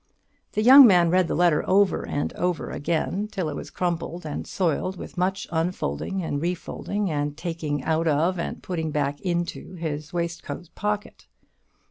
The young man read the letter over and over again, till it was crumpled and soiled with much unfolding and refolding, and taking out of, and putting back into, his waistcoat pocket.